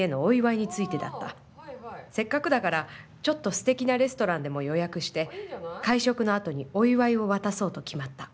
せっかくだからちょっと素敵なレストランでも予約して、会食のあとにお祝いを渡そうと決まった」。